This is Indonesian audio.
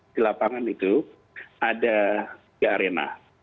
di lapangan itu ada tiga arena